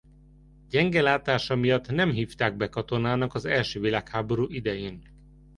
Gyenge látása miatt nem hívták be katonának az első világháború idején.